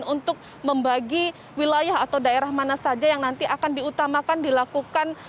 untuk membagi wilayah atau daerah mana saja yang nanti akan diutamakan dilakukan